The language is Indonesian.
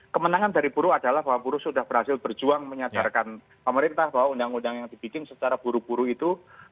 kemenangan dari buruh adalah bahwa buruh sudah berhasil berjuang menyadarkan pemerintah bahwa undang undang yang dibikin secara buru buru itu